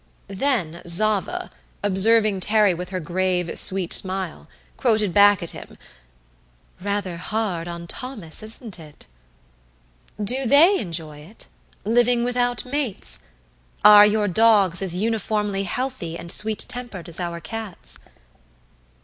Then Zava, observing Terry with her grave sweet smile, quoted back at him: "Rather hard on Thomas, isn't it? Do they enjoy it living without mates? Are your dogs as uniformly healthy and sweet tempered as our cats?"